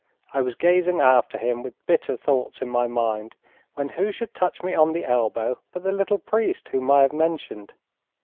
I was gazing after him with bitter thoughts in my mind, when who should touch me on the elbow but the little priest whom I have mentioned.